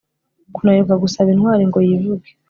kunanirwa gusaba intwari ngo yivuge